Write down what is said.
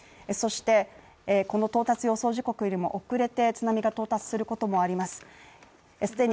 そしてこの到達予想時刻よりも遅れて津波が到達することもあります。